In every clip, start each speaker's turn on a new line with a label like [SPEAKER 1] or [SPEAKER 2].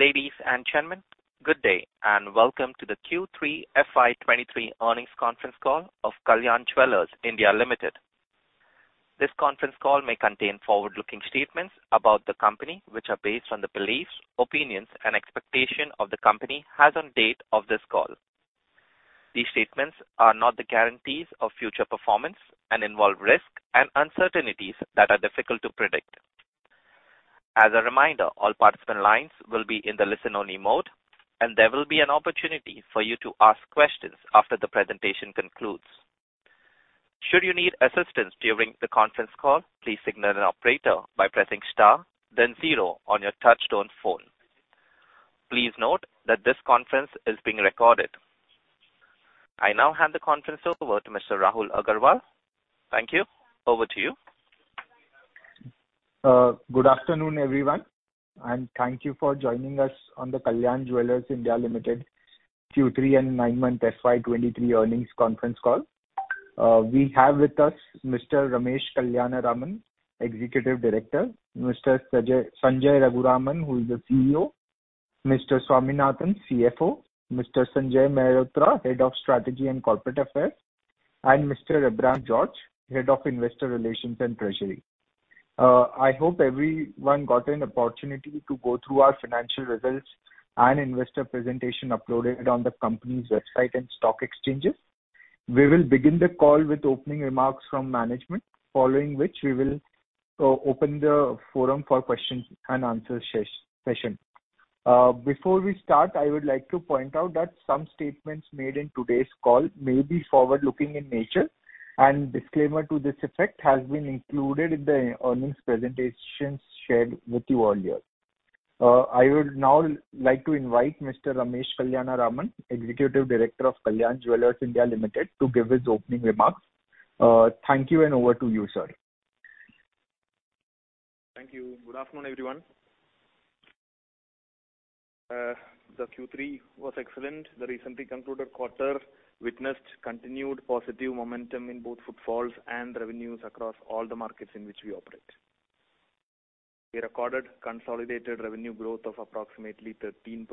[SPEAKER 1] Ladies and gentlemen, good day. Welcome to the Q3 FY 2023 earnings conference call of Kalyan Jewellers India Limited. This conference call may contain forward-looking statements about the company which are based on the beliefs, opinions, and expectation of the company as on date of this call. These statements are not the guarantees of future performance and involve risk and uncertainties that are difficult to predict. As a reminder, all participant lines will be in the listen-only mode. There will be an opportunity for you to ask questions after the presentation concludes. Should you need assistance during the conference call, please signal an operator by pressing star then zero on your touchtone phone. Please note that this conference is being recorded. I now hand the conference over to Mr. Rahul Agarwal. Thank you. Over to you.
[SPEAKER 2] Good afternoon, everyone, thank you for joining us on the Kalyan Jewellers India Limited Q3 and nine-month FY 2023 earnings conference call. We have with us Mr. Ramesh Kalyanaraman, Executive Director, Mr. Sanjay Raghuraman, who is the CEO, Mr. Swaminathan, CFO, Mr. Sanjay Mehrotra, Head of Strategy and Corporate Affairs, and Mr. Abraham George, Head of Investor Relations and Treasury. I hope everyone got an opportunity to go through our financial results and investor presentation uploaded on the company's website and stock exchanges. We will begin the call with opening remarks from management, following which we will open the forum for Q&A session. Before we start, I would like to point out that some statements made in today's call may be forward-looking in nature and disclaimer to this effect has been included in the earnings presentations shared with you earlier. I would now like to invite Mr. Ramesh Kalyanaraman, Executive Director of Kalyan Jewellers India Limited, to give his opening remarks. Thank you, over to you, sir.
[SPEAKER 3] Thank you. Good afternoon, everyone. The Q3 was excellent. The recently concluded quarter witnessed continued positive momentum in both footfalls and revenues across all the markets in which we operate. We recorded consolidated revenue growth of approximately 13%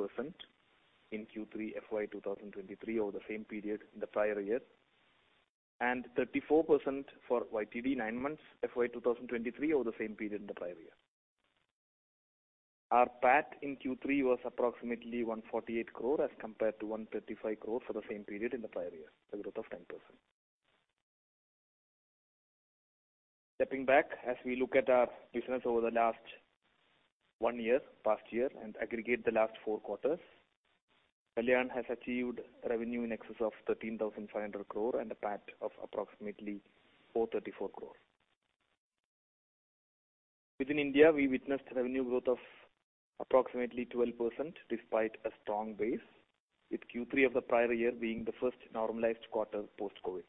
[SPEAKER 3] in Q3 FY 2023 over the same period in the prior year, and 34% for YTD nine months FY 2023 over the same period in the prior year. Our PAT in Q3 was approximately 148 crore as compared to 135 crore for the same period in the prior year, a growth of 10%. Stepping back, as we look at our business over the last one year, past year, and aggregate the last four quarters, Kalyan has achieved revenue in excess of 13,500 crore and a PAT of approximately 434 crore. Within India, we witnessed revenue growth of approximately 12% despite a strong base, with Q3 of the prior year being the first normalized quarter post-COVID.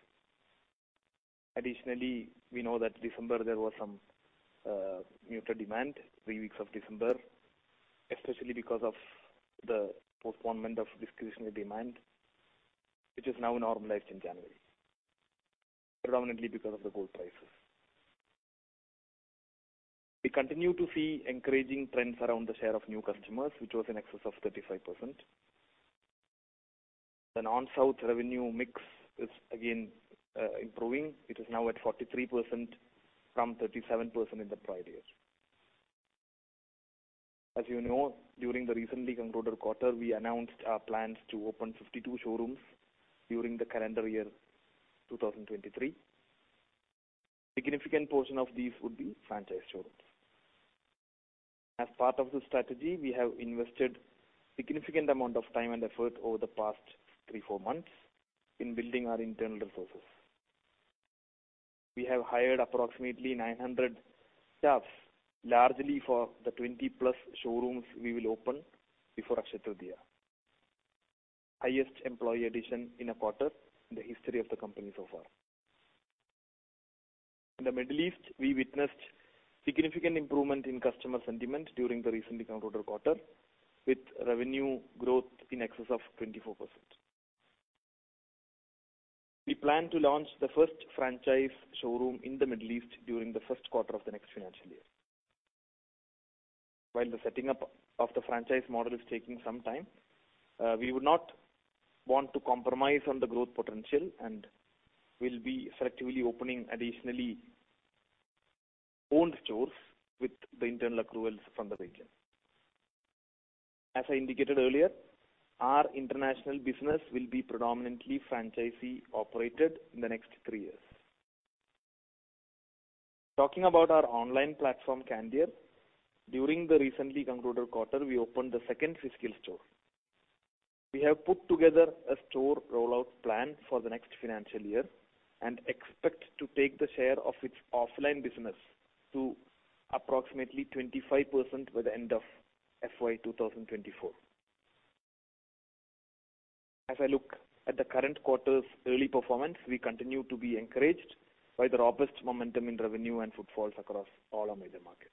[SPEAKER 3] Additionally, we know that December there was some muted demand, three weeks of December, especially because of the postponement of discretionary demand, which is now normalized in January, predominantly because of the gold prices. We continue to see encouraging trends around the share of new customers, which was in excess of 35%. The non-South revenue mix is again improving. It is now at 43% from 37% in the prior year. As you know, during the recently concluded quarter, we announced our plans to open 52 showrooms during the calendar year 2023. Significant portion of these would be franchise showrooms. As part of the strategy, we have invested significant amount of time and effort over the past three, four months in building our internal resources. We have hired approximately 900 staffs, largely for the 20-plus showrooms we will open before Akshaya Tritiya. Highest employee addition in a quarter in the history of the company so far. In the Middle East, we witnessed significant improvement in customer sentiment during the recently concluded quarter, with revenue growth in excess of 24%. We plan to launch the first franchise showroom in the Middle East during the first quarter of the next financial year. While the setting up of the franchise model is taking some time, we would not want to compromise on the growth potential and will be selectively opening additionally owned stores with the internal accruals from the region. As I indicated earlier, our international business will be predominantly franchisee operated in the next three years. Talking about our online platform, Candere, during the recently concluded quarter, we opened the second physical store. We have put together a store rollout plan for the next financial year and expect to take the share of its offline business to approximately 25% by the end of FY 2024. As I look at the current quarter's early performance, we continue to be encouraged by the robust momentum in revenue and footfalls across all our major markets.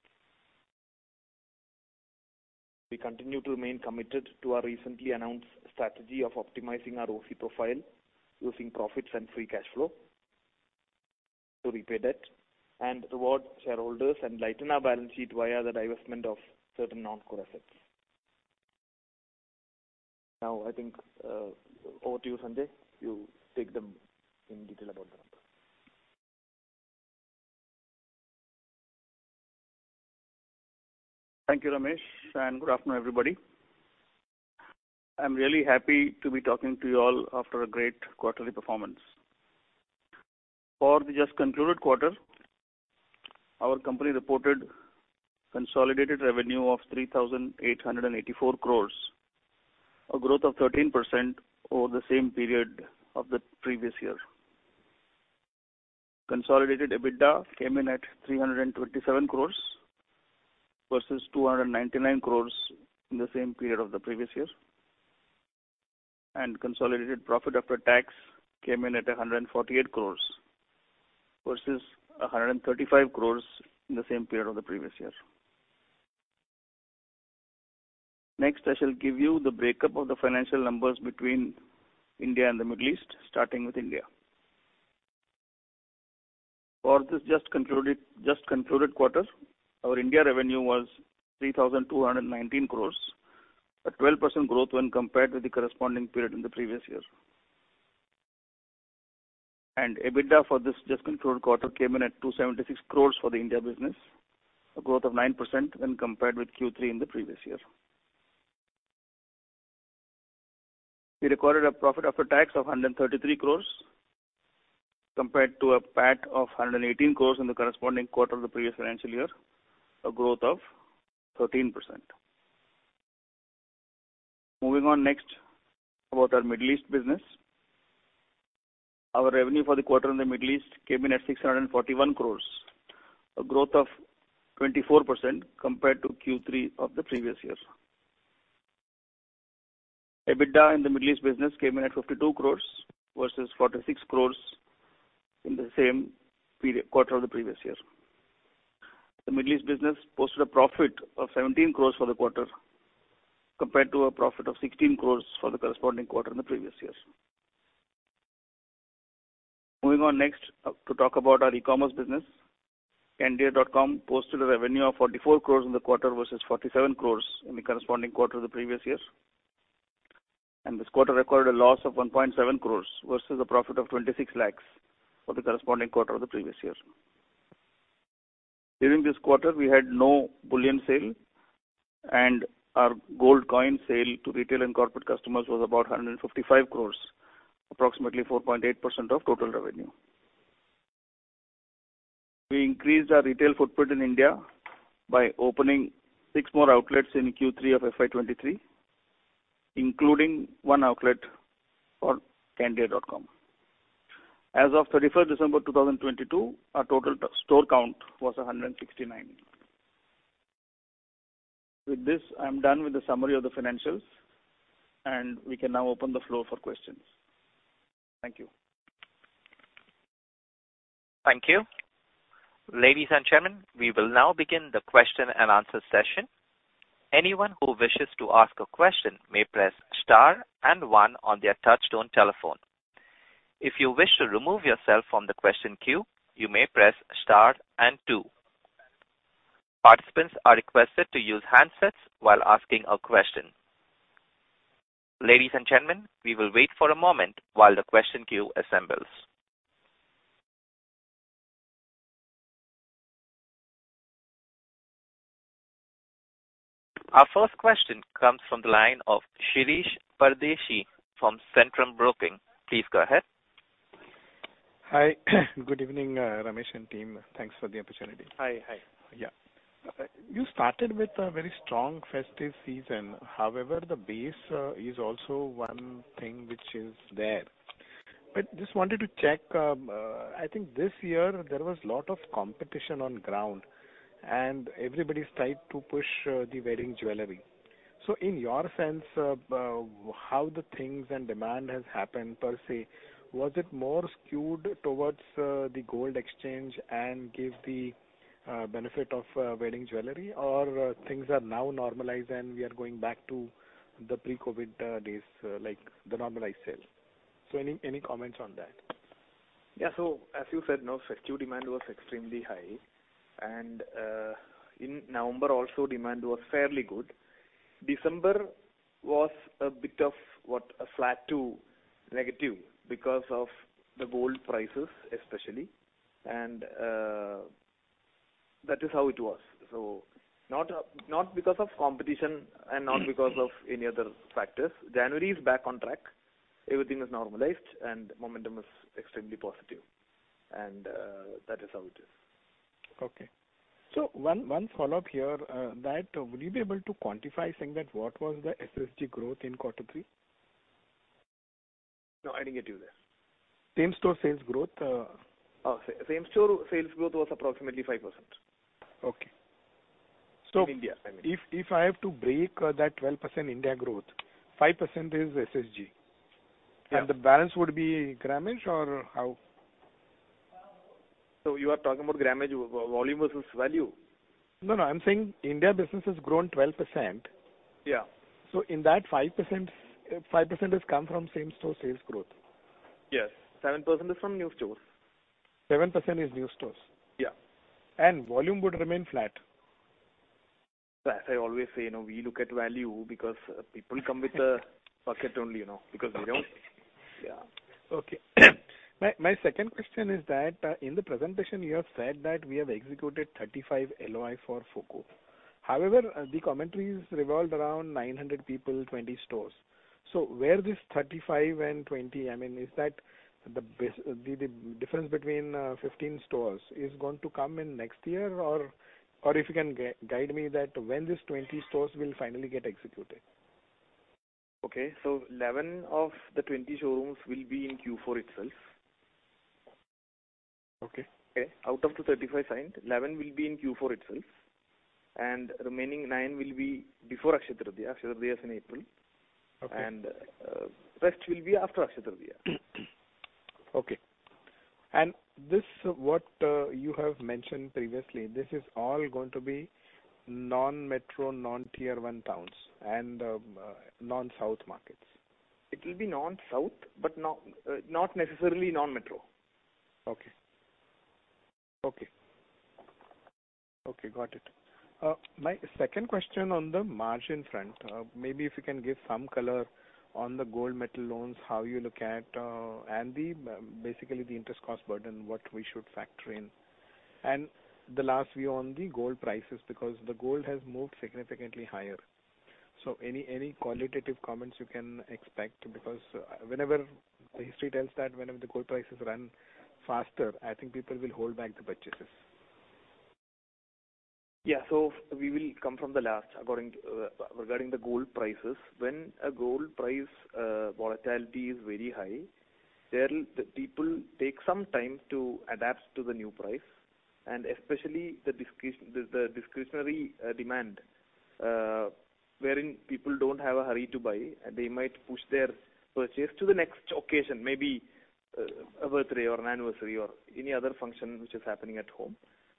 [SPEAKER 3] We continue to remain committed to our recently announced strategy of optimizing our ROE profile using profits and free cash flow to repay debt and reward shareholders and lighten our balance sheet via the divestment of certain non-core assets. I think, over to you, Sanjay. You take them in detail about the numbers.
[SPEAKER 4] Thank you, Ramesh, and good afternoon, everybody. I'm really happy to be talking to you all after a great quarterly performance. For the just concluded quarter, our company reported consolidated revenue of 3,884 crore, a growth of 13% over the same period of the previous year. Consolidated EBITDA came in at 327 crore versus 299 crore in the same period of the previous year. Consolidated profit after tax came in at 148 crore versus 135 crore in the same period of the previous year. Next, I shall give you the breakup of the financial numbers between India and the Middle East, starting with India. For this just concluded quarter, our India revenue was 3,219 crore, a 12% growth when compared with the corresponding period in the previous year. EBITDA for this just concluded quarter came in at 276 crore for the India business, a growth of 9% when compared with Q3 in the previous year. We recorded a profit after tax of 133 crore compared to a PAT of 118 crore in the corresponding quarter of the previous financial year, a growth of 13%. Moving on next about our Middle East business. Our revenue for the quarter in the Middle East came in at 641 crore, a growth of 24% compared to Q3 of the previous year. EBITDA in the Middle East business came in at 52 crore versus 46 crore in the same period quarter of the previous year. The Middle East business posted a profit of 17 crore for the quarter, compared to a profit of 16 crore for the corresponding quarter in the previous years. Moving on next to talk about our e-commerce business. Candere.com posted a revenue of 44 crore in the quarter versus 47 crore in the corresponding quarter of the previous year. This quarter recorded a loss of 1.7 crore versus a profit of 26 lakhs for the corresponding quarter of the previous year. During this quarter, we had no bullion sale, and our gold coin sale to retail and corporate customers was about 155 crore, approximately 4.8% of total revenue. We increased our retail footprint in India by opening six more outlets in Q3 of FY 2023, including one outlet for candere.com. As of 31st December 2022, our total store count was 169. With this, I'm done with the summary of the financials, and we can now open the floor for questions. Thank you.
[SPEAKER 1] Thank you. Ladies and gentlemen, we will now begin the Q&A session. Anyone who wishes to ask a question may press star and one on their touch-tone telephone. If you wish to remove yourself from the question queue, you may press star and two. Participants are requested to use handsets while asking a question. Ladies and gentlemen, we will wait for a moment while the question queue assembles. Our first question comes from the line of Shirish Pardeshi from Centrum Broking. Please go ahead.
[SPEAKER 5] Hi. Good evening, Ramesh and team. Thanks for the opportunity.
[SPEAKER 3] Hi. Hi.
[SPEAKER 5] Yeah. You started with a very strong festive season. However, the base is also one thing which is there. Just wanted to check, I think this year there was lot of competition on ground and everybody's tried to push the wedding jewelry. In your sense of how the things and demand has happened per se, was it more skewed towards the gold exchange and gave the benefit of wedding jewelry or things are now normalized and we are going back to the pre-COVID days like the normalized sales? Any comments on that?
[SPEAKER 3] Yeah. As you said, no, festive demand was extremely high. In November also demand was fairly good. December was a bit of what a flat to negative because of the gold prices especially. That is how it was. Not because of competition and not because of any other factors. January is back on track. Everything is normalized and momentum is extremely positive. That is how it is.
[SPEAKER 5] Okay. One follow-up here, that would you be able to quantify saying that what was the SSG growth in quarter three?
[SPEAKER 3] No, I didn't get you there.
[SPEAKER 5] Same-store sales growth.
[SPEAKER 3] Oh, same-store sales growth was approximately 5%.
[SPEAKER 5] Okay.
[SPEAKER 3] In India, I mean.
[SPEAKER 5] If I have to break, that 12% India growth, 5% is SSG.
[SPEAKER 3] Yeah.
[SPEAKER 5] The balance would be grammage or how?
[SPEAKER 3] You are talking about grammage, volume versus value?
[SPEAKER 5] No, no. I'm saying India business has grown 12%.
[SPEAKER 3] Yeah.
[SPEAKER 5] In that 5%, 5% has come from same-store sales growth.
[SPEAKER 3] Yes. 7% is from new stores.
[SPEAKER 5] 7% is new stores.
[SPEAKER 3] Yeah.
[SPEAKER 5] Volume would remain flat.
[SPEAKER 3] That I always say, you know, we look at value because people come with a bucket only, you know. We don't. Yeah.
[SPEAKER 5] Okay. My second question is that, in the presentation you have said that we have executed 35 LOI for FoCo. However, the commentaries revolved around 900 people, 20 stores. Where this 35 and 20, I mean, is that the difference between 15 stores is going to come in next year or if you can guide me that when these 20 stores will finally get executed?
[SPEAKER 3] Okay. 11 of the 20 showrooms will be in Q4 itself.
[SPEAKER 5] Okay.
[SPEAKER 3] Out of the 35 signed, 11 will be in Q4 itself, and remaining nine will be before Akshaya Tritiya. Akshaya Tritiya is in April.
[SPEAKER 5] Okay.
[SPEAKER 3] Rest will be after Akshaya Tritiya.
[SPEAKER 5] Okay. This, what you have mentioned previously, this is all going to be non-metro, non-tier one towns and non-South markets.
[SPEAKER 3] It will be non-South, but not necessarily non-metro.
[SPEAKER 5] Okay. Okay. Okay, got it. My second question on the margin front, maybe if you can give some color on the gold metal loan, how you look at, and the basically the interest cost burden, what we should factor in? The last view on the gold prices, because the gold has moved significantly higher. Any qualitative comments you can expect? Whenever the history tells that whenever the gold prices run faster, I think people will hold back the purchases.
[SPEAKER 3] Yeah. We will come from the last according regarding the gold prices. When a gold price volatility is very high, the people take some time to adapt to the new price, and especially the discretionary demand wherein people don't have a hurry to buy, they might push their purchase to the next occasion, maybe, a birthday or an anniversary or any other function which is happening at home.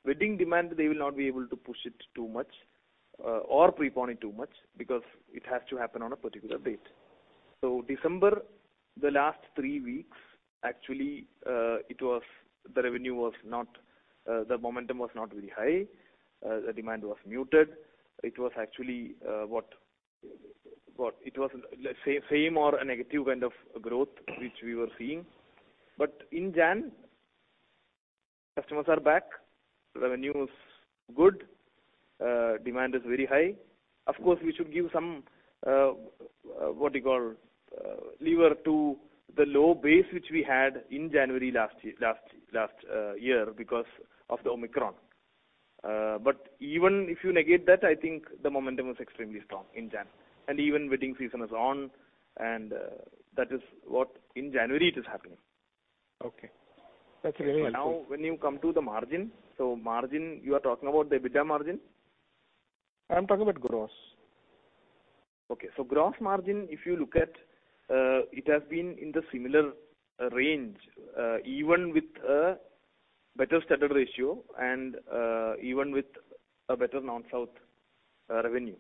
[SPEAKER 3] Wedding demand, they will not be able to push it too much or prepone it too much because it has to happen on a particular date. December, the last three weeks, actually, it was. The revenue was not, the momentum was not very high. The demand was muted. It was actually, what. It was same or a negative kind of growth which we were seeing. In Jan, customers are back, revenue is good, demand is very high. Of course, we should give some, what you call, lever to the low base which we had in January last year because of the Omicron. Even if you negate that, I think the momentum was extremely strong in Jan. Even wedding season is on, and that is what in January it is happening.
[SPEAKER 5] Okay. That's very helpful.
[SPEAKER 3] When you come to the margin, you are talking about the EBITDA margin?
[SPEAKER 5] I'm talking about gross.
[SPEAKER 3] Gross margin, if you look at, it has been in the similar range, even with a better studded ratio and even with a better non-South revenue.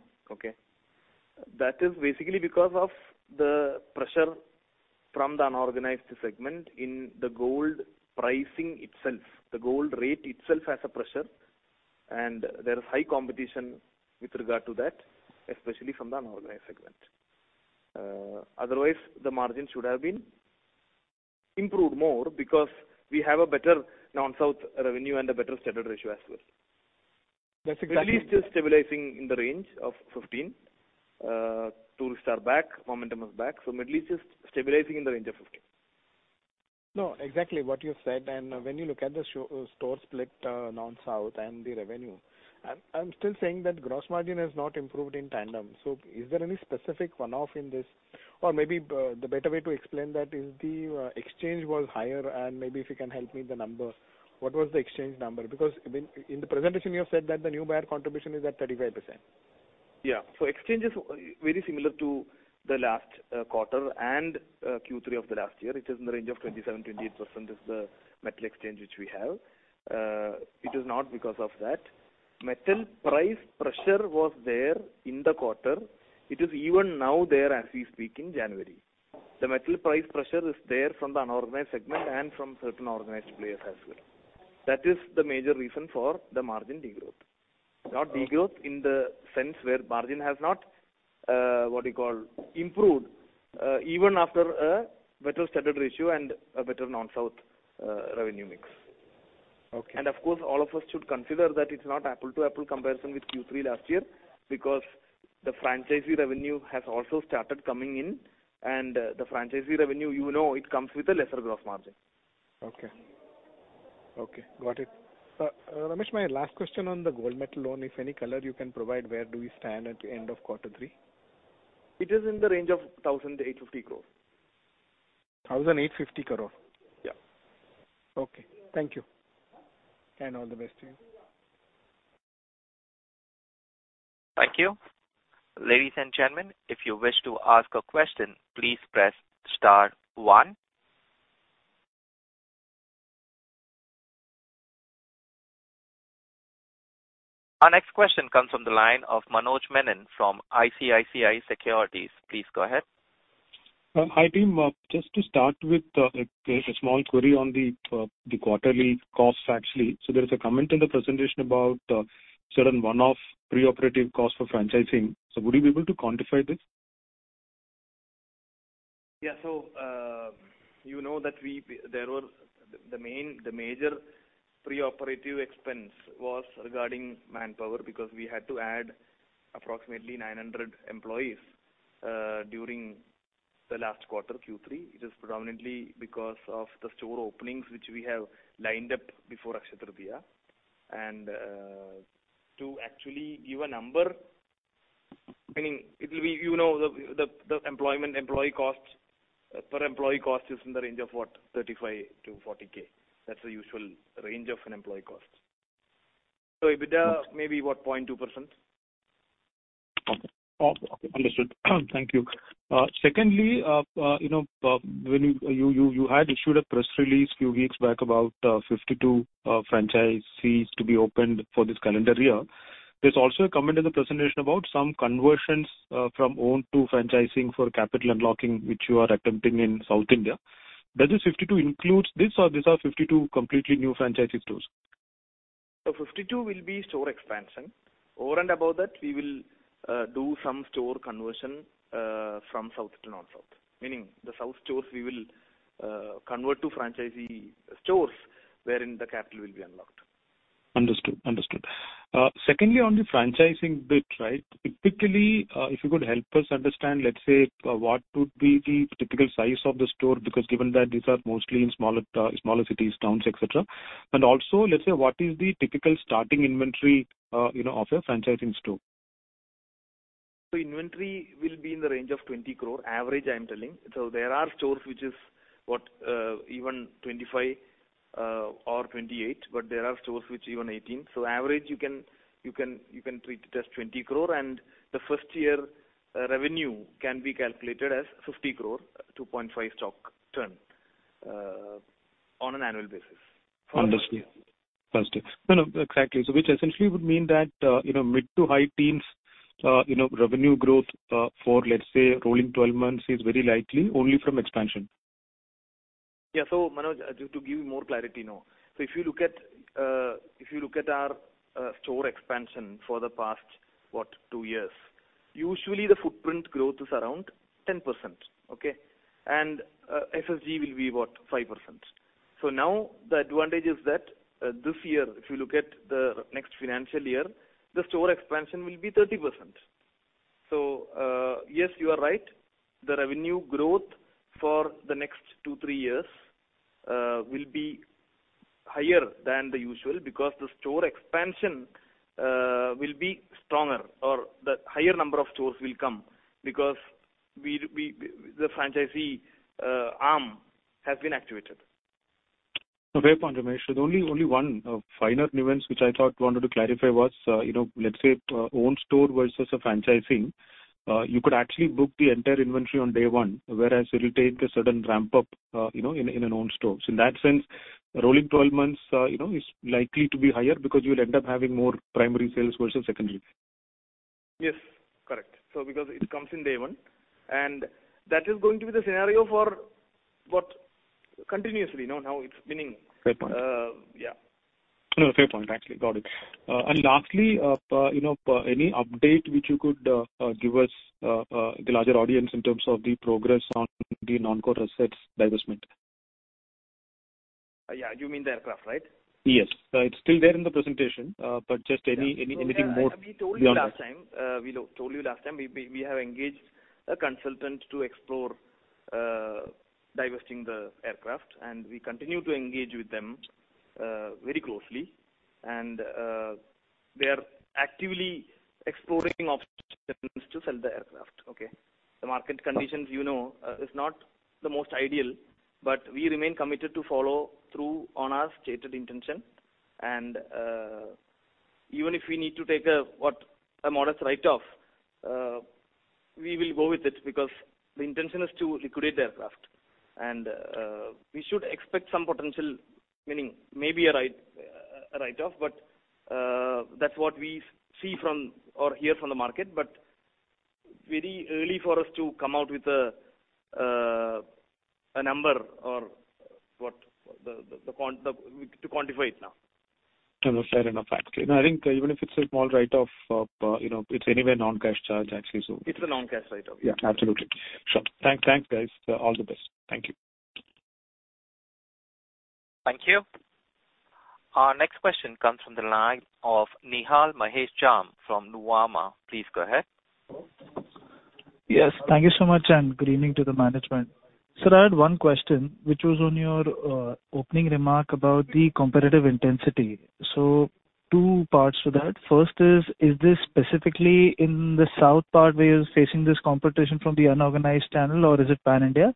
[SPEAKER 3] That is basically because of the pressure from the unorganized segment in the gold pricing itself. The gold rate itself has a pressure, and there is high competition with regard to that, especially from the unorganized segment. Otherwise, the margin should have been improved more because we have a better non-South revenue and a better studded ratio as well.
[SPEAKER 5] That's exactly-
[SPEAKER 3] Middle East is stabilizing in the range of 15. Tourists are back, momentum is back. Middle East is stabilizing in the range of 15.
[SPEAKER 5] No, exactly what you said. When you look at the store split, non-South and the revenue, I'm still saying that gross margin has not improved in tandem. Is there any specific one-off in this? Or maybe the better way to explain that is the exchange was higher, and maybe if you can help me the number. What was the exchange number? Because, I mean, in the presentation you have said that the new buyer contribution is at 35%.
[SPEAKER 3] Yeah. Exchange is very similar to the last quarter and Q3 of the last year. It is in the range of 27%-28% is the metal exchange which we have. It is not because of that. Metal price pressure was there in the quarter. It is even now there as we speak in January. The metal price pressure is there from the unorganized segment and from certain organized players as well. That is the major reason for the margin degrowth. Not degrowth in the sense where margin has not, what you call, improved, even after a better studded ratio and a better non-South revenue mix.
[SPEAKER 5] Okay.
[SPEAKER 3] Of course, all of us should consider that it's not apple-to-apple comparison with Q3 last year because the franchisee revenue has also started coming in, and the franchisee revenue, you know, it comes with a lesser gross margin.
[SPEAKER 5] Okay. Okay, got it. Ramesh, my last question on the Gold Metal Loan. If any color you can provide, where do we stand at the end of quarter three?
[SPEAKER 3] It is in the range of 1,850 crore.
[SPEAKER 5] 1,850 crore?
[SPEAKER 3] Yeah.
[SPEAKER 5] Okay. Thank you. All the best to you.
[SPEAKER 1] Thank you. Ladies and gentlemen, if you wish to ask a question, please press star one. Our next question comes from the line of Manoj Menon from ICICI Securities. Please go ahead.
[SPEAKER 6] Hi, team. Just to start with, a small query on the quarterly cost actually. There is a comment in the presentation about certain one-off pre-operative costs for franchising. Would you be able to quantify this?
[SPEAKER 3] Yeah. You know that we there were the main, the major pre-operative expense was regarding manpower, because we had to add approximately 900 employees during the last quarter, Q3, which is predominantly because of the store openings which we have lined up before Akshaya Tritiya. To actually give a number, meaning it will be, you know, the employee costs, per employee cost is in the range of what? 35,000-40,000. That's the usual range of an employee cost. EBITDA maybe what? 0.2%.
[SPEAKER 6] Okay. Understood. Thank you. Secondly, you know, when you had issued a press release a few weeks back about 52 franchisees to be opened for this calendar year. There's also a comment in the presentation about some conversions from owned to franchising for capital unlocking, which you are attempting in South India. Does this 52 includes this or these are 52 completely new franchisee stores?
[SPEAKER 3] 52 will be store expansion. Over and above that, we will do some store conversion from south to north-south. Meaning the south stores we will convert to franchisee stores wherein the capital will be unlocked.
[SPEAKER 6] Understood, understood. Secondly, on the franchising bit, right? Typically, if you could help us understand, let's say, what would be the typical size of the store, because given that these are mostly in smaller cities, towns, et cetera. Also, let's say, what is the typical starting inventory, you know, of a franchising store?
[SPEAKER 3] Inventory will be in the range of 20 crore average, I'm telling. There are stores which is what, even 25 crore or 28 crore, but there are stores which even 18 crore. Average you can treat it as 20 crore. The first year revenue can be calculated as 50 crore, 2.5 stock turn on an annual basis.
[SPEAKER 6] Understood. No, exactly. Which essentially would mean that, you know, mid to high teens, you know, revenue growth, for, let's say, rolling 12 months is very likely only from expansion.
[SPEAKER 3] Yeah. Manoj, to give you more clarity now. If you look at if you look at our store expansion for the past, what, two years, usually the footprint growth is around 10%, okay? SSG will be what? 5%. Now the advantage is that this year, if you look at the next financial year, the store expansion will be 30%. Yes, you are right. The revenue growth for the next two, three years will be higher than the usual because the store expansion will be stronger or the higher number of stores will come because we, the franchisee arm has been activated.
[SPEAKER 6] Okay. Point, Ramesh. The only one finer nuance which I thought wanted to clarify was, you know, let's say, owned store versus a franchising, you could actually book the entire inventory on day one, whereas it'll take a certain ramp up, you know, in an owned store. In that sense, rolling 12 months, you know, is likely to be higher because you'll end up having more primary sales versus secondary.
[SPEAKER 3] Yes, correct. Because it comes in day one, and that is going to be the scenario for what continuously, you know, now it's spinning.
[SPEAKER 6] Fair point.
[SPEAKER 3] Yeah.
[SPEAKER 6] No, fair point, actually. Got it. Lastly, you know, any update which you could give us the larger audience in terms of the progress on the non-core assets divestment?
[SPEAKER 3] Yeah. You mean the aircraft, right?
[SPEAKER 6] Yes. It's still there in the presentation. Just anything more beyond that.
[SPEAKER 3] We told you last time. We told you last time we have engaged a consultant to explore divesting the aircraft, we continue to engage with them very closely. They are actively exploring options to sell the aircraft. Okay. The market conditions, you know, is not the most ideal, we remain committed to follow through on our stated intention. Even if we need to take a modest write-off, we will go with it because the intention is to liquidate the aircraft. We should expect some potential, meaning maybe a write-off. That's what we see from or hear from the market. Very early for us to come out with a number or what to quantify it now.
[SPEAKER 6] No, no, fair enough. Actually, no, I think even if it's a small write-off, you know, it's anyway non-cash charge actually, so.
[SPEAKER 3] It's a non-cash write-off.
[SPEAKER 6] Yeah, absolutely. Sure. Thanks, guys. All the best. Thank you.
[SPEAKER 1] Thank you. Our next question comes from the line of Nihal Mahesh Jham from Nuvama. Please go ahead.
[SPEAKER 7] Yes. Thank you so much. Good evening to the management. Sir, I had one question which was on your opening remark about the competitive intensity. Two parts to that. First is this specifically in the South part where you're facing this competition from the unorganized channel, or is it pan-India?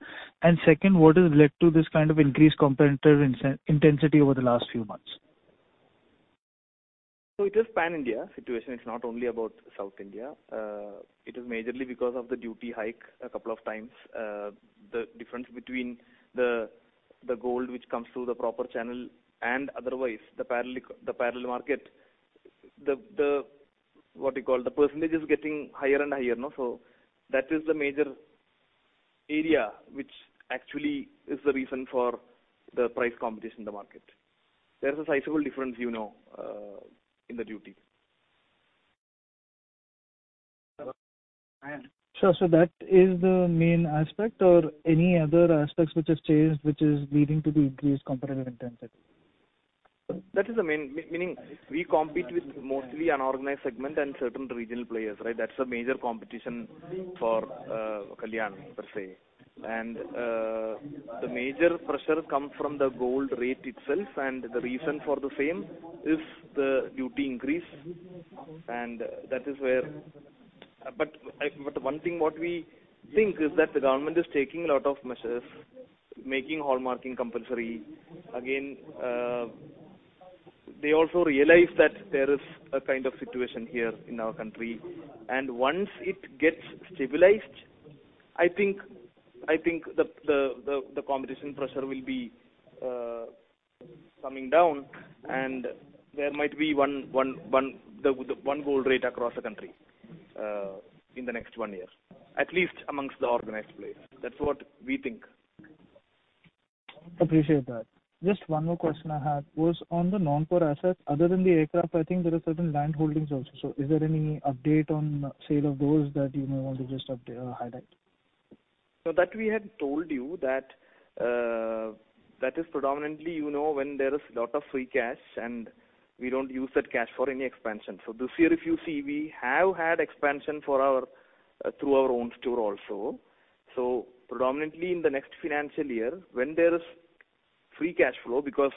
[SPEAKER 7] Second, what has led to this kind of increased competitive intensity over the last few months?
[SPEAKER 3] It is pan-India situation. It's not only about South India. It is majorly because of the duty hike a couple of times. The difference between the gold which comes through the proper channel and otherwise the parallel market, what do you call, the percentage is getting higher and higher, no. That is the major area which actually is the reason for the price competition in the market. There is a sizable difference, you know, in the duty.
[SPEAKER 7] Sure. That is the main aspect or any other aspects which has changed, which is leading to the increased competitive intensity?
[SPEAKER 3] That is the main meaning we compete with mostly unorganized segment and certain regional players, right? That's a major competition for Kalyan per se. The major pressure comes from the gold rate itself. The reason for the same is the duty increase. That is where. One thing what we think is that the government is taking a lot of measures, making hallmarking compulsory. Again, they also realize that there is a kind of situation here in our country. Once it gets stabilized, I think the competition pressure will be coming down and there might be one gold rate across the country in the next one year, at least amongst the organized players. That's what we think.
[SPEAKER 7] Appreciate that. Just one more question I had was on the non-core assets. Other than the aircraft, I think there are certain land holdings also. Is there any update on sale of those that you may want to just highlight?
[SPEAKER 3] That we had told you that is predominantly, you know, when there is lot of free cash and we don't use that cash for any expansion. This year, if you see, we have had expansion for our through our own store also. Predominantly in the next financial year when there is free cash flow, because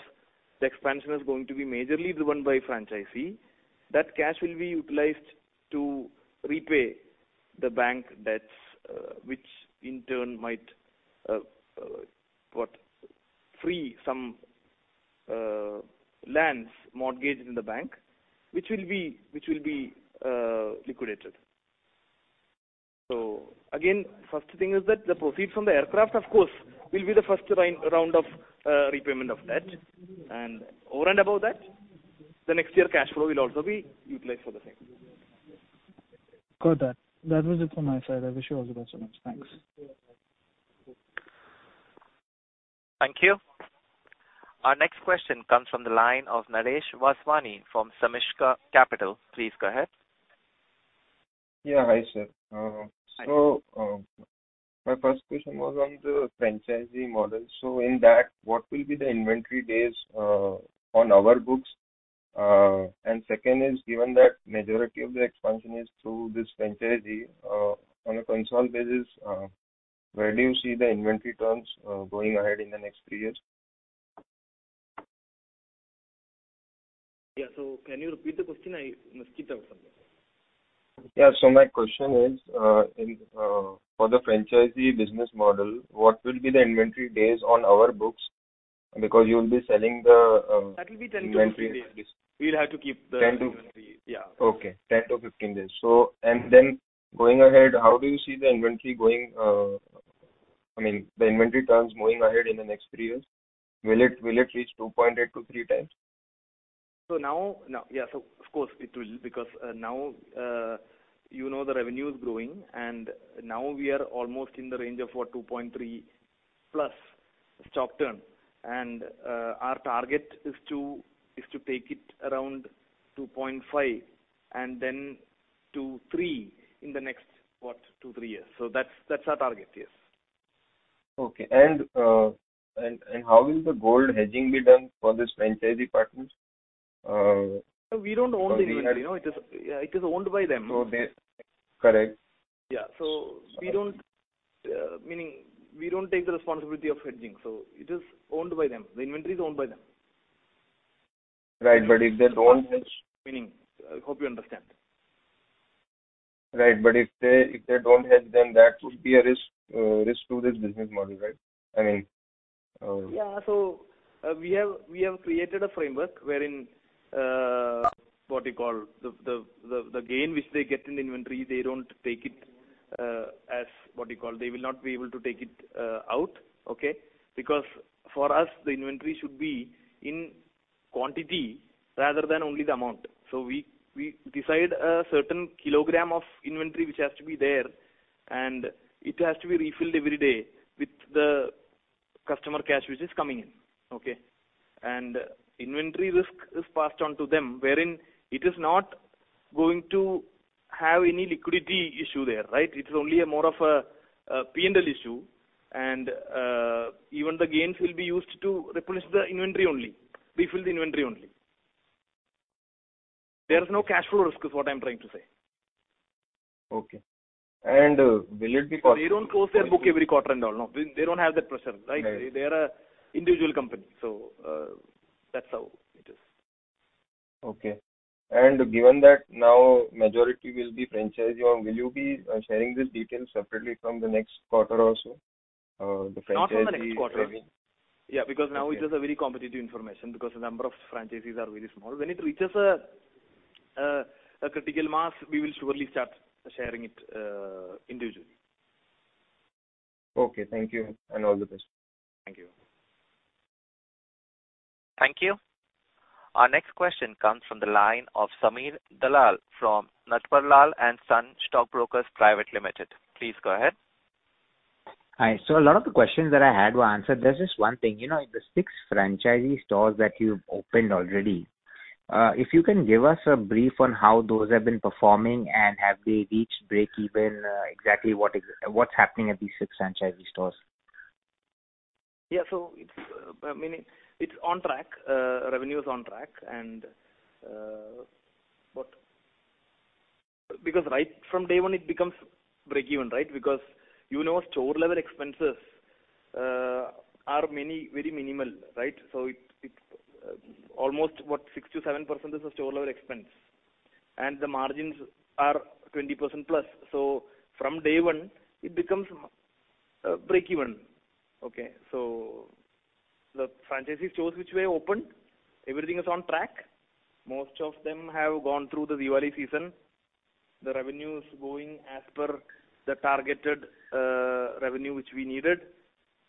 [SPEAKER 3] the expansion is going to be majorly driven by franchisee, that cash will be utilized to repay the bank debts, which in turn might, what, free some lands mortgaged in the bank, which will be liquidated. Again, first thing is that the proceeds from the aircraft, of course, will be the first round of repayment of debt. Over and above that, the next year cash flow will also be utilized for the same.
[SPEAKER 7] Got that. That was it from my side. I wish you all the best. Thanks.
[SPEAKER 1] Thank you. Our next question comes from the line of Naresh Vaswani from Sameeksha Capital. Please go ahead.
[SPEAKER 8] Yeah. Hi, sir. My first question was on the franchisee model. In that, what will be the inventory days on our books? Second is, given that majority of the expansion is through this franchisee, on a console basis, where do you see the inventory terms going ahead in the next three years?
[SPEAKER 3] Yeah. Can you repeat the question? I skipped something.
[SPEAKER 8] Yeah. My question is, for the franchisee business model, what will be the inventory days on our books? Because you will be selling the..
[SPEAKER 3] That'll be 10-15 days.
[SPEAKER 8] Inventory.
[SPEAKER 3] We'll have to keep the-
[SPEAKER 8] 10-15.
[SPEAKER 3] Yeah.
[SPEAKER 8] Okay. 10 to 15 days. Going ahead, how do you see the inventory going? I mean, the inventory terms moving ahead in the next three years. Will it reach 2.8 to 3 times?
[SPEAKER 3] Now, of course it will because, now, you know the revenue is growing and now we are almost in the range of 2.3+ stock turn. Our target is to take it around 2.5 and then to 3 in the next two, three years. That's our target. Yes.
[SPEAKER 8] Okay. How will the gold hedging be done for this franchisee partners?
[SPEAKER 3] We don't own the inventory, you know. It is owned by them.
[SPEAKER 8] Correct.
[SPEAKER 3] Yeah. We don't, meaning we don't take the responsibility of hedging. It is owned by them. The inventory is owned by them.
[SPEAKER 8] Right. If they don't.
[SPEAKER 3] Meaning, I hope you understand.
[SPEAKER 8] Right. If they don't hedge, then that would be a risk to this business model, right? I mean,
[SPEAKER 3] Yeah. We have created a framework wherein, what do you call, the gain which they get in inventory, they don't take it, as what do you call, they will not be able to take it out. Okay? Because for us, the inventory should be in quantity rather than only the amount. We decide a certain kilogram of inventory which has to be there, and it has to be refilled every day with the customer cash which is coming in. Okay? Inventory risk is passed on to them, wherein it is not going to have any liquidity issue there, right? It's only more of a P&L issue. Even the gains will be used to replenish the inventory only. Refill the inventory only. There is no cash flow risk is what I'm trying to say.
[SPEAKER 8] Okay.
[SPEAKER 3] They don't close their book every quarter and all, no. They don't have that pressure, right?
[SPEAKER 8] Right.
[SPEAKER 3] They are a individual company. That's how it is.
[SPEAKER 8] Okay. Given that now majority will be franchisee owned, will you be sharing these details separately from the next quarter also?
[SPEAKER 3] Not from the next quarter. Yeah, because now it is a very competitive information because the number of franchisees are very small. When it reaches a critical mass, we will surely start sharing it individually.
[SPEAKER 8] Okay. Thank you and all the best.
[SPEAKER 3] Thank you.
[SPEAKER 1] Thank you. Our next question comes from the line of Sameer Dalal from Natverlal & Sons Stockbrokers Private Limited. Please go ahead.
[SPEAKER 9] Hi. A lot of the questions that I had were answered. There's just one thing. You know, the six franchisee stores that you've opened already, if you can give us a brief on how those have been performing and have they reached breakeven? Exactly what's happening at these six franchisee stores?
[SPEAKER 3] Yeah. So it's meaning it's on track. Revenue is on track. Because right from day one it becomes breakeven, right? Because, you know, store level expenses are many, very minimal, right? So it almost, what? 6%-7% is the store level expense. The margins are 20+%. From day one it becomes breakeven. The franchisee stores which we have opened, everything is on track. Most of them have gone through the Diwali season. The revenue is going as per the targeted revenue which we needed.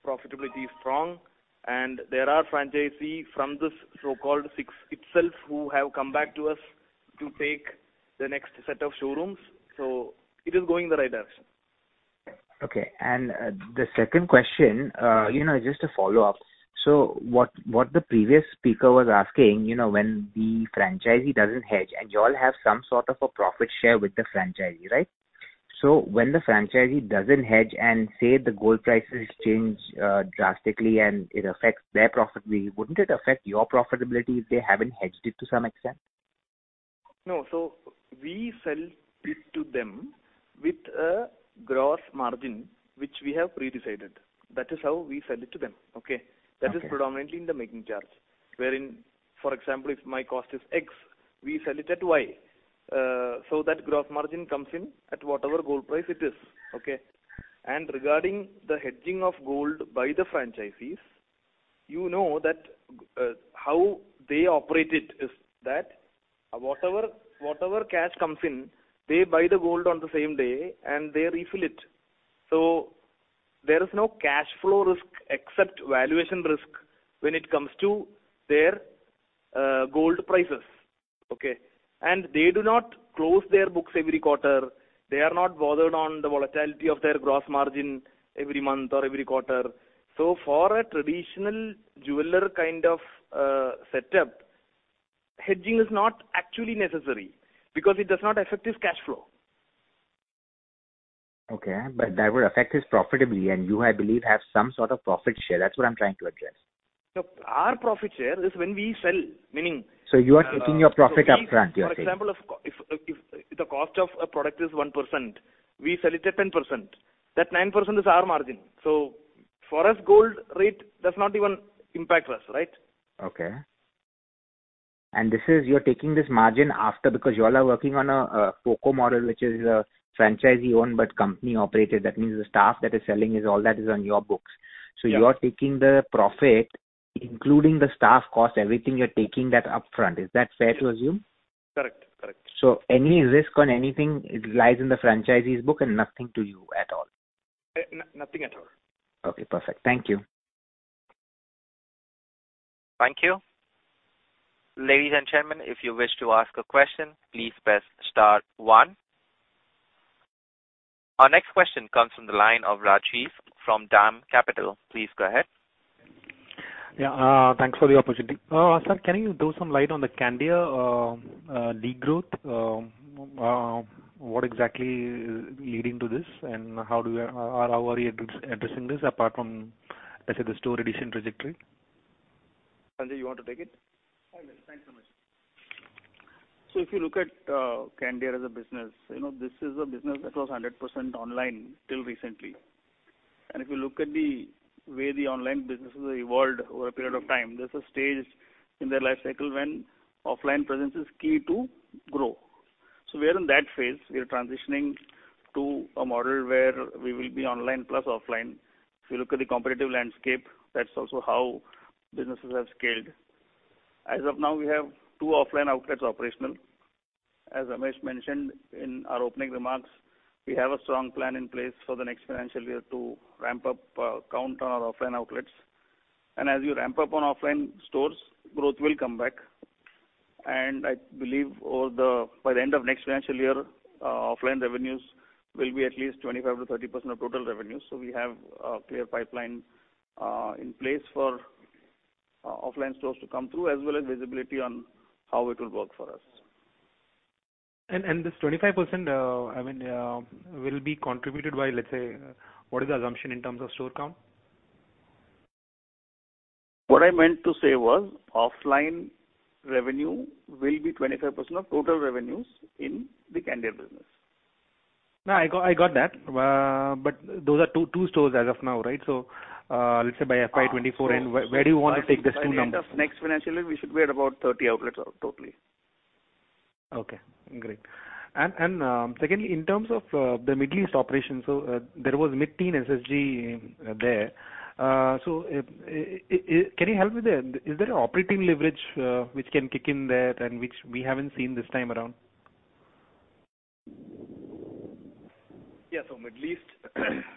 [SPEAKER 3] Profitability is strong. There are franchisees from this so-called six itself who have come back to us to take the next set of showrooms, so it is going in the right direction.
[SPEAKER 9] Okay. The second question, you know, just a follow-up. What the previous speaker was asking, you know, when the franchisee doesn't hedge and you all have some sort of a profit share with the franchisee, right? When the franchisee doesn't hedge and say the gold prices change drastically and it affects their profitability, wouldn't it affect your profitability if they haven't hedged it to some extent?
[SPEAKER 3] No. We sell it to them with a gross margin, which we have pre-decided. That is how we sell it to them. Okay?
[SPEAKER 9] Okay.
[SPEAKER 3] That is predominantly in the making charge. Wherein, for example, if my cost is X, we sell it at Y. That gross margin comes in at whatever gold price it is. Okay? Regarding the hedging of gold by the franchisees, you know that how they operate it is that whatever cash comes in, they buy the gold on the same day and they refill it. There is no cash flow risk except valuation risk when it comes to their gold prices. Okay? They do not close their books every quarter. They are not bothered on the volatility of their gross margin every month or every quarter. For a traditional jeweler kind of setup, hedging is not actually necessary because it does not affect his cash flow.
[SPEAKER 9] Okay. That would affect his profitability. You, I believe, have some sort of profit share. That's what I'm trying to address.
[SPEAKER 3] No. Our profit share is when we sell, meaning-
[SPEAKER 9] You are taking your profit upfront, you're saying.
[SPEAKER 3] For example, if the cost of a product is 1%, we sell it at 10%. That 9% is our margin. For us, gold rate does not even impact us, right?
[SPEAKER 9] Okay. This is, you're taking this margin after because you all are working on a FoCo model, which is a Franchisee-Owned but Company-Operated. That means the staff that is selling is all that is on your books.
[SPEAKER 3] Yeah.
[SPEAKER 9] You are taking the profit, including the staff cost, everything, you're taking that upfront. Is that fair to assume?
[SPEAKER 3] Correct. Correct.
[SPEAKER 9] Any risk on anything, it lies in the franchisee's book and nothing to you at all?
[SPEAKER 3] nothing at all.
[SPEAKER 9] Okay, perfect. Thank you.
[SPEAKER 1] Thank you. Ladies and gentlemen, if you wish to ask a question, please press star one. Our next question comes from the line of Rajiv from DAM Capital. Please go ahead.
[SPEAKER 10] Thanks for the opportunity. Sir, can you throw some light on the Candere de-growth? What exactly is leading to this and how are you addressing this apart from, let's say, the store addition trajectory?
[SPEAKER 3] Sanjay, you want to take it?
[SPEAKER 4] I will. Thanks so much. If you look at Candere as a business, you know, this is a business that was 100% online till recently. If you look at the way the online businesses evolved over a period of time, there's a stage in their life cycle when offline presence is key to grow. We are in that phase. We are transitioning to a model where we will be online plus offline. If you look at the competitive landscape, that's also how businesses have scaled. As of now, we have two offline outlets operational. As Ramesh mentioned in our opening remarks, we have a strong plan in place for the next financial year to ramp up count on our offline outlets. As you ramp up on offline stores, growth will come back. I believe over the, by the end of next financial year, offline revenues will be at least 25%-30% of total revenue. We have a clear pipeline in place for offline stores to come through, as well as visibility on how it will work for us.
[SPEAKER 10] This 25%, I mean, will be contributed by, let's say, what is the assumption in terms of store count?
[SPEAKER 4] What I meant to say was offline revenue will be 25% of total revenues in the Candere business.
[SPEAKER 10] No, I got that. Those are two stores as of now, right? Let's say by FY 2024 end. Where do you want to take the store count?
[SPEAKER 4] By the end of next financial year, we should be at about 30 outlets out totally.
[SPEAKER 10] Okay, great. Secondly, in terms of the Middle East operations, so, there was mid-teen SSG there. Can you help me there? Is there an operating leverage which can kick in there and which we haven't seen this time around?
[SPEAKER 3] Middle East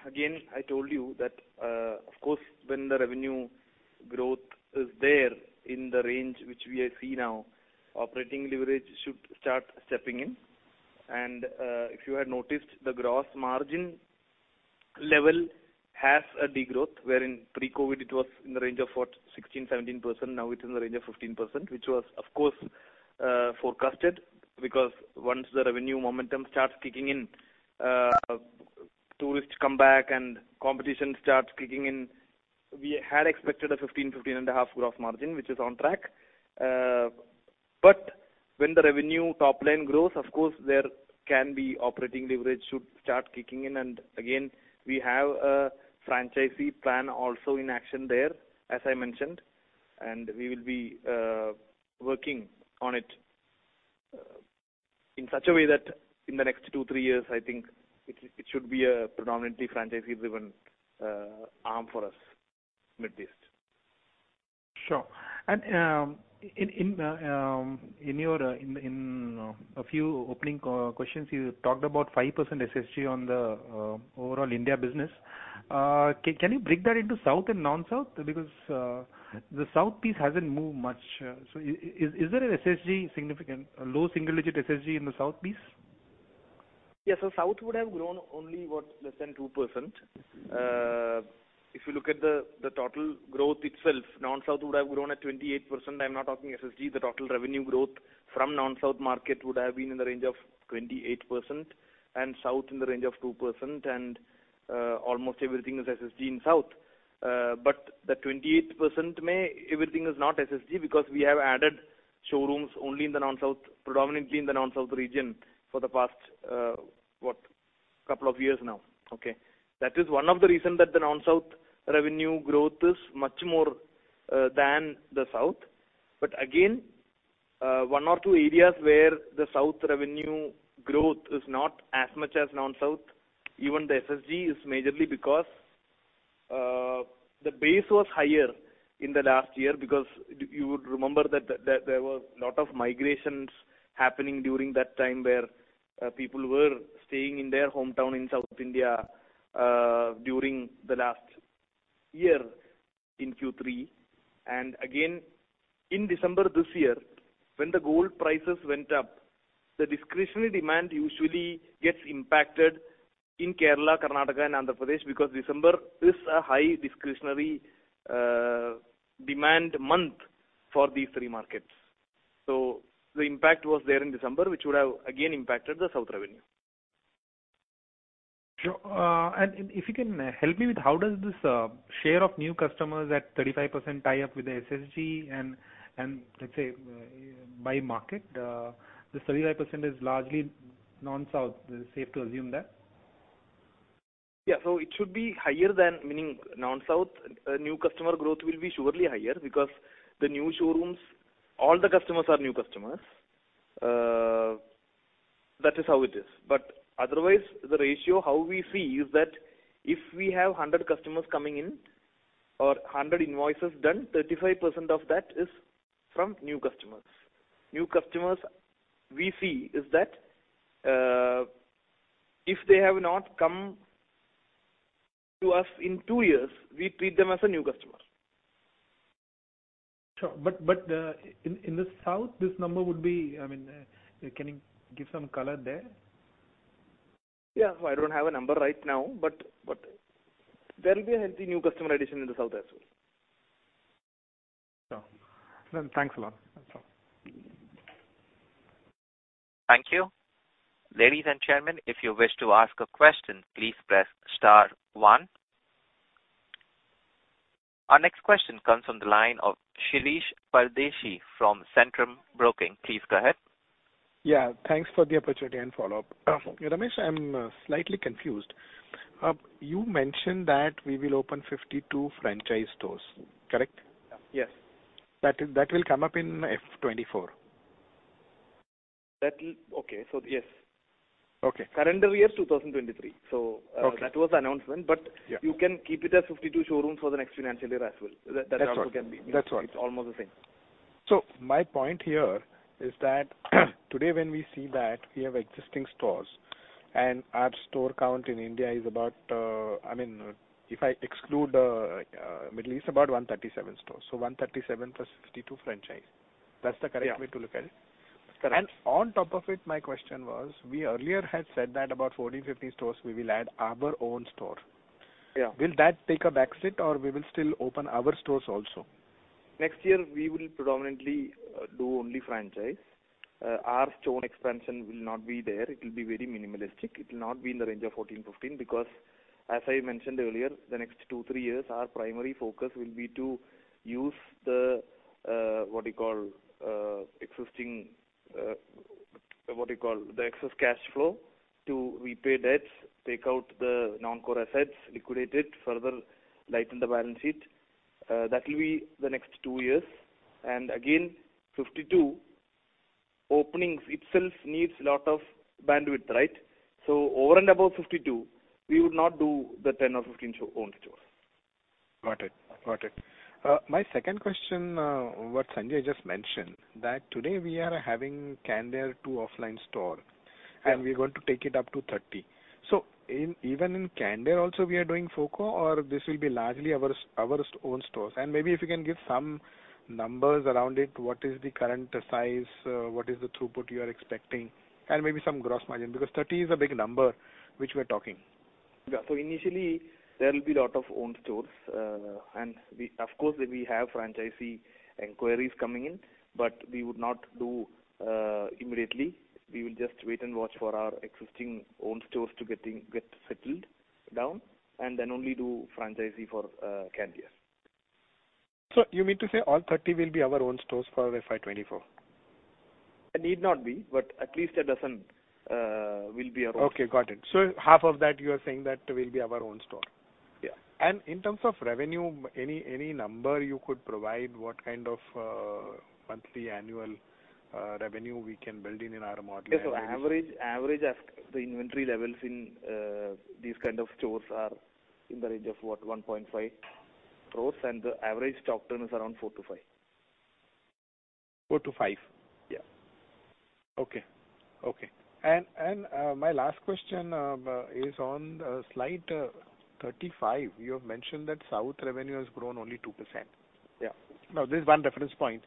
[SPEAKER 3] again, I told you that, of course, when the revenue growth is there in the range which we see now, operating leverage should start stepping in. If you had noticed, the gross margin level has a degrowth, wherein pre-COVID it was in the range of what? 16%-17%. Now it's in the range of 15%, which was, of course, forecasted because once the revenue momentum starts kicking in, tourists come back and competition starts kicking in. We had expected a 15%-15.5% gross margin, which is on track. When the revenue top line grows, of course there can be operating leverage should start kicking in. Again, we have a franchisee plan also in action there, as I mentioned, and we will be working on it in such a way that in the next two, three years, I think it should be a predominantly franchisee-driven arm for us, Middle East.
[SPEAKER 10] Sure. In your, in a few opening questions, you talked about 5% SSG on the overall India business. Can you break that into South and non-South? The South piece hasn't moved much. Is there an SSG significant. A low single-digit SSG in the South piece?
[SPEAKER 3] Yes. South would have grown only, what? Less than 2%. If you look at the total growth itself, non-South would have grown at 28%. I'm not talking SSG. The total revenue growth from non-South market would have been in the range of 28% and South in the range of 2%. Almost everything is SSG in South. The 28% may everything is not SSG because we have added showrooms only in the non-South, predominantly in the non-South region for the past, what? Couple of years now. That is one of the reason that the non-South revenue growth is much more than the South. Again, one or two areas where the South revenue growth is not as much as non-South, even the SSG is majorly because the base was higher in the last year because you would remember that there was a lot of migrations happening during that time where people were staying in their hometown in South India during the last year in Q3. Again, in December this year, when the gold prices went up, the discretionary demand usually gets impacted in Kerala, Karnataka and Andhra Pradesh because December is a high discretionary demand month for these three markets. The impact was there in December, which would have again impacted the South revenue.
[SPEAKER 10] Sure. If you can help me with how does this, share of new customers at 35% tie up with the SSG and let's say by market, this 35% is largely non-South. Is it safe to assume that?
[SPEAKER 3] Yeah. It should be higher than meaning non-South. New customer growth will be surely higher because the new showrooms, all the customers are new customers. That is how it is. Otherwise the ratio, how we see is that if we have 100 customers coming in or 100 invoices done, 35% of that is from new customers. New customers we see is that if they have not come to us in two years, we treat them as a new customer.
[SPEAKER 10] Sure. but, in the South, this number would be, I mean, can you give some color there?
[SPEAKER 3] Yeah. I don't have a number right now, but there will be a healthy new customer addition in the South as well.
[SPEAKER 10] Sure. Thanks a lot. That's all.
[SPEAKER 1] Thank you. Ladies and gentlemen, if you wish to ask a question, please press star one. Our next question comes from the line of Shirish Pardeshi from Centrum Broking. Please go ahead.
[SPEAKER 5] Yeah, thanks for the opportunity and follow-up. Ramesh, I'm slightly confused. You mentioned that we will open 52 franchise stores, correct?
[SPEAKER 3] Yes.
[SPEAKER 5] That will come up in FY 2024.
[SPEAKER 3] Okay. Yes.
[SPEAKER 5] Okay.
[SPEAKER 3] Current year 2023.
[SPEAKER 5] Okay.
[SPEAKER 3] That was the announcement.
[SPEAKER 5] Yeah.
[SPEAKER 3] You can keep it as 52 showrooms for the next financial year as well. That also.
[SPEAKER 5] That's all.
[SPEAKER 3] It's almost the same.
[SPEAKER 5] My point here is that today when we see that we have existing stores and our store count in India is about, if I exclude Middle East, about 137 stores. 137 plus 52 franchise. That's the correct way to look at it?
[SPEAKER 3] That's correct.
[SPEAKER 5] On top of it, my question was, we earlier had said that about 14, 15 stores we will add our own store.
[SPEAKER 3] Yeah.
[SPEAKER 5] Will that take a back seat or we will still open our stores also?
[SPEAKER 3] Next year we will predominantly do only franchise. Our store expansion will not be there. It will be very minimalistic. It will not be in the range of 14, 15, because as I mentioned earlier, the next two to three years, our primary focus will be to use the, what do you call, existing, what do you call, the excess cash flow to repay debts, take out the non-core assets, liquidate it, further lighten the balance sheet. That will be the next two years. Again, 52 openings itself needs a lot of bandwidth, right? So over and above 52, we would not do the 10 or 15 own stores.
[SPEAKER 5] Got it. Got it. my second question, what Sanjay just mentioned, that today we are having Candere to offline store. We're going to take it up to 30. In, even in Candere also we are doing FoCo or this will be largely our own stores? Maybe if you can give some numbers around it, what is the current size? What is the throughput you are expecting? Maybe some gross margin, because 30 is a big number which we're talking.
[SPEAKER 3] Yeah. Initially there will be lot of own stores. We Of course, we have franchisee inquiries coming in, we would not do immediately. We will just wait and watch for our existing own stores to get settled down and then only do franchisee for Candere.
[SPEAKER 5] You mean to say all 30 will be our own stores for FY 2024?
[SPEAKER 3] It need not be, but at least a dozen will be our own.
[SPEAKER 5] Okay, got it. Half of that you are saying that will be our own store?
[SPEAKER 3] Yeah.
[SPEAKER 5] In terms of revenue, any number you could provide, what kind of monthly annual revenue we can build in our model analysis?
[SPEAKER 3] Yeah. The average inventory levels in these kind of stores are in the range of what? 1.5 crore, and the average stock turn is around four to five.
[SPEAKER 5] Four to five?
[SPEAKER 3] Yeah.
[SPEAKER 5] Okay. Okay. My last question is on slide 35. You have mentioned that south revenue has grown only 2%.
[SPEAKER 3] Yeah.
[SPEAKER 5] There's one reference point.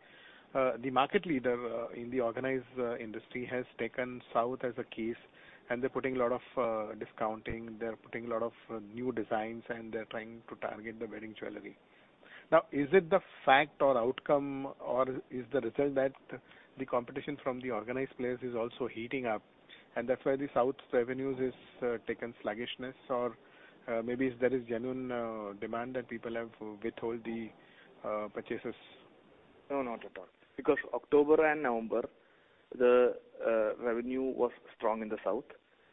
[SPEAKER 5] The market leader in the organized industry has taken South as a case, and they're putting a lot of discounting, they're putting a lot of new designs, and they're trying to target the wedding jewelry. Is it the fact or outcome or is the result that the competition from the organized players is also heating up, and that's why the South revenues is taken sluggishness? Maybe is there is genuine demand that people have withhold the purchases?
[SPEAKER 3] No, not at all. October and November, the revenue was strong in the south.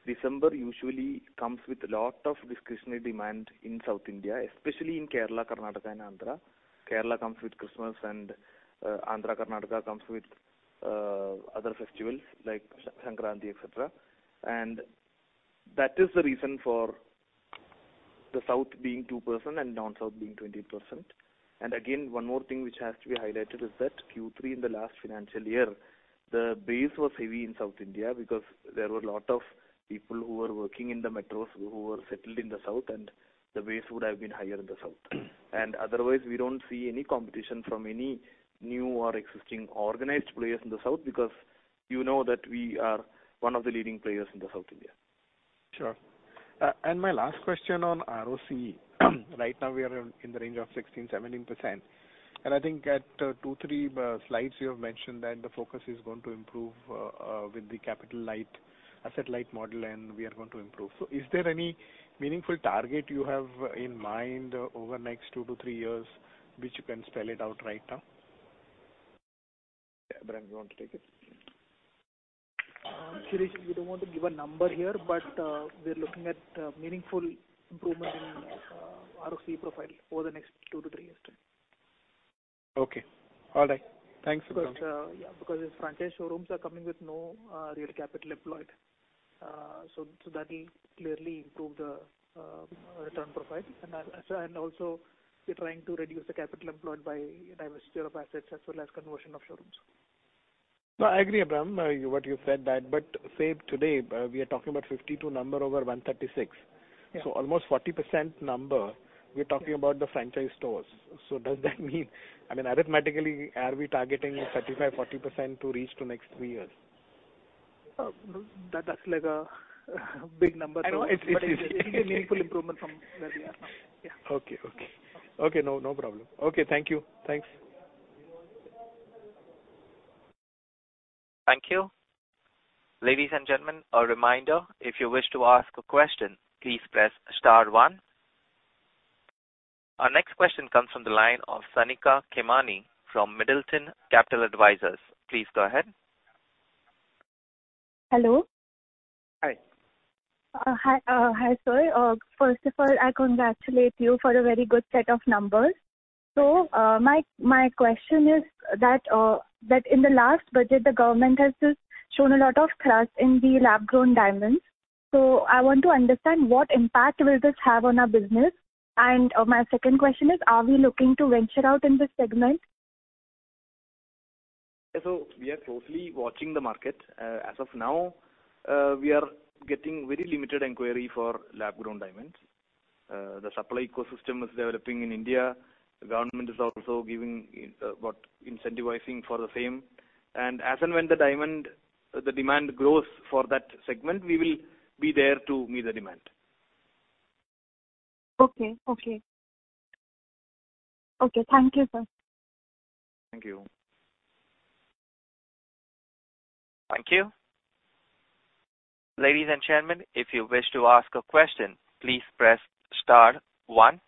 [SPEAKER 3] December usually comes with a lot of discretionary demand in South India, especially in Kerala, Karnataka and Andhra. Kerala comes with Christmas and Andhra, Karnataka comes with other festivals like Sankranti, et cetera. That is the reason for the south being 2% and non-south being 20%. Again, one more thing which has to be highlighted is that Q3 in the last financial year, the base was heavy in South India because there were a lot of people who were working in the metros who were settled in the south, and the base would have been higher in the south. Otherwise, we don't see any competition from any new or existing organized players in the South because you know that we are one of the leading players in the South India.
[SPEAKER 5] Sure. My last question on ROCE. Right now we are in the range of 16%-17%. I think at two, three slides you have mentioned that the focus is going to improve with the capital light, asset light model and we are going to improve. Is there any meaningful target you have in mind over the next two to three years which you can spell it out right now?
[SPEAKER 3] Yeah. Abraham, you want to take it?
[SPEAKER 11] Suresh, we don't want to give a number here, but we are looking at meaningful improvement in ROC profile over the next two to three years time.
[SPEAKER 5] Okay. All right. Thanks for coming.
[SPEAKER 11] Yeah. Because these franchise showrooms are coming with no real capital employed. That'll clearly improve the return profile. Also we're trying to reduce the capital employed by divesture of assets as well as conversion of showrooms.
[SPEAKER 5] I agree, Abraham, you what you said that. Say today, we are talking about 52 number over 136.
[SPEAKER 11] Yeah.
[SPEAKER 5] Almost 40% number we're talking about the franchise stores. Does that mean I mean, arithmetically, are we targeting 35%-40% to reach to next three years?
[SPEAKER 11] no. That's like a big number though.
[SPEAKER 5] I know. It's, it's, it's-
[SPEAKER 11] It'll be a meaningful improvement from where we are now. Yeah.
[SPEAKER 5] Okay. Okay. Okay. No, no problem. Okay. Thank you. Thanks.
[SPEAKER 1] Thank you. Ladies and gentlemen, a reminder, if you wish to ask a question, please press star one. Our next question comes from the line of Sanika Khemani from Middleton Capital Advisors. Please go ahead.
[SPEAKER 12] Hello.
[SPEAKER 3] Hi.
[SPEAKER 12] Hi, sir. First of all, I congratulate you for a very good set of numbers. My question is that in the last budget, the government has just shown a lot of trust in the lab-grown diamonds. I want to understand what impact will this have on our business. My second question is, are we looking to venture out in this segment?
[SPEAKER 3] We are closely watching the market. As of now, we are getting very limited inquiry for lab-grown diamonds. The supply ecosystem is developing in India. The government is also giving incentivizing for the same. As and when the diamond the demand grows for that segment, we will be there to meet the demand.
[SPEAKER 12] Okay. Okay. Okay. Thank you, sir.
[SPEAKER 3] Thank you.
[SPEAKER 1] Thank you. Ladies and gentlemen, if you wish to ask a question, please press star one.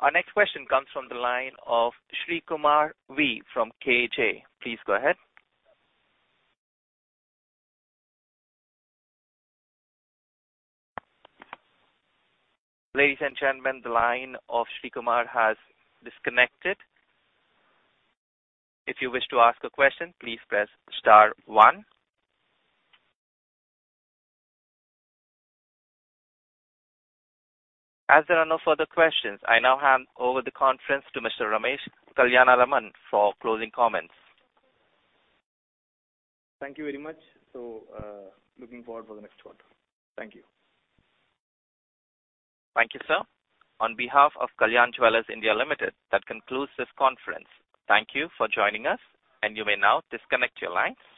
[SPEAKER 1] Our next question comes from the line of Sreekumar V. from KJ. Please go ahead. Ladies and gentlemen, the line of Sreekumar has disconnected. If you wish to ask a question, please press star one. As there are no further questions, I now hand over the conference to Mr. Ramesh Kalyanaraman for closing comments.
[SPEAKER 3] Thank you very much. Looking forward for the next quarter. Thank you.
[SPEAKER 1] Thank you, sir. On behalf of Kalyan Jewellers India Limited, that concludes this conference. Thank you for joining us, and you may now disconnect your lines.